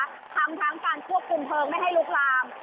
ทำทั้งการควบคุมเพลิงไม่ให้ลุกลาม